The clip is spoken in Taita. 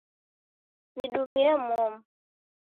Nidumie momu.